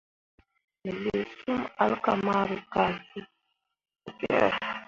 Me lii sum alkamari kah cuu tekere.